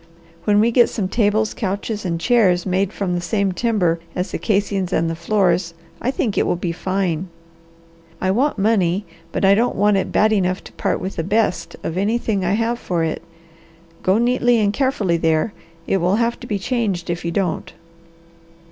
When we get some tables, couches, and chairs made from the same timber as the casings and the floors, I think it will be fine. I want money, but I don't want it bad enough to part with the BEST of anything I have for it. Go carefully and neatly there; it will have to be changed if you don't."